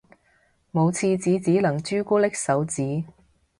冇廁紙只能朱古力手指